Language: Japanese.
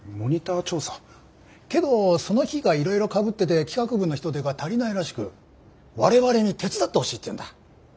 けどその日がいろいろかぶってて企画部の人手が足りないらしく我々に手伝ってほしいっていうんだ。